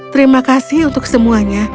terima kasih untuk semuanya